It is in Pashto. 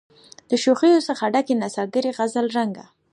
د شوخیو څخه ډکي نڅاګرې غزل رنګه